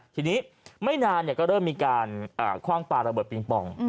ทีนี้ไม่นานก็เริ่มมีการคว่างปลาระเบิดปิงปอง